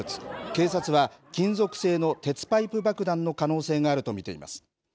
警察は、金属製の鉄パイプ爆弾の可能性があると見ています。